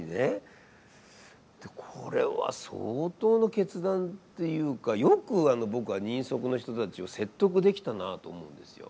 これは相当の決断というかよく僕は人足の人たちを説得できたなと思うんですよ。